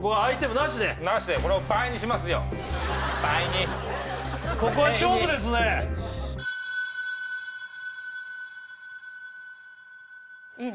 なしでこれを倍にしますよ倍にここは勝負ですねいいの？